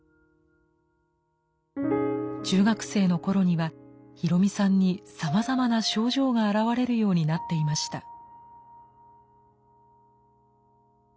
中学生の頃にはヒロミさんにさまざまな症状が現れるようになっていました。